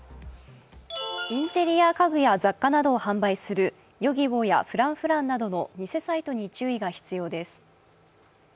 インテリア家具や雑貨などを販売するＹｏｇｉｂｏやＦｒａｎｃｆｒａｎｃなどの偽サイトに注意が必要です。